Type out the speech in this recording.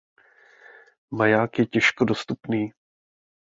Maják je těžko dostupný.